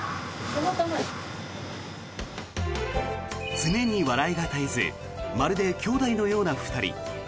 常に笑いが絶えずまるで兄妹のような２人。